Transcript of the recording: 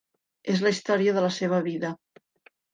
És la història de la seva vida.